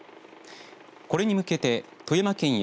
これに向けて、富山県や